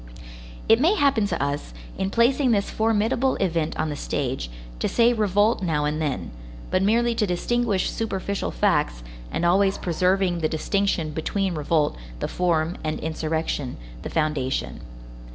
It may happen to us, in placing this formidable event on the stage, to say revolt now and then, but merely to distinguish superficial facts, and always preserving the distinction between revolt, the form, and insurrection, the foundation.